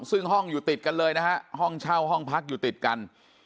ซึ่งห้องอยู่ติดกันเลยนะฮะห้องเช่าห้องพักอยู่ติดกัน